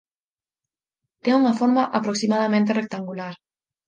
Ten unha forma aproximadamente rectangular.